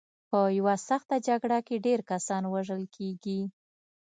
په یوه سخته جګړه کې ډېر کسان وژل کېږي.